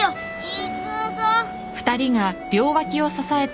行くぞ。